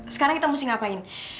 sekarang kita mesti ngapain